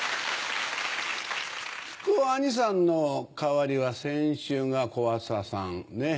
木久扇兄さんの代わりは先週が小朝さんねっ。